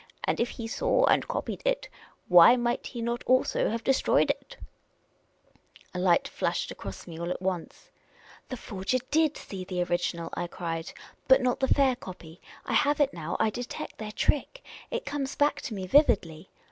And if he saw and copied it, why might he not also have destroyed it ?" A light flashed across me all at once. " The iox^^r did see the original," I cried, " but not the fair copy. I have it all now ! I detect their trick ! It conies back to me vividly